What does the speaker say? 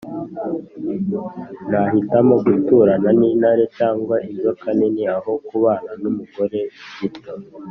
Nahitamo guturana n’intare cyangwa inzoka nini, aho kubana n’umugore gito.